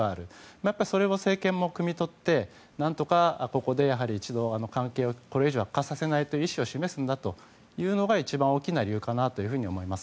また、それを政権もくみ取って何とか、ここで一度、関係をこれ以上悪化させない意思を示すんだというのが一番大きな理由かなと思います。